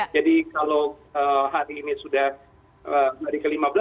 jadi kalau hari ini sudah hari ke lima belas